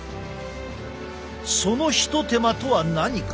その一手間とは何か？